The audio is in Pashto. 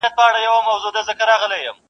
سپېرې شونډی وږې ګېډه فکر وړی-